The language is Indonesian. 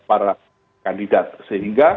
para kandidat sehingga